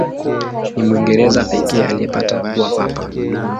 Ni Mwingereza pekee aliyepata kuwa Papa.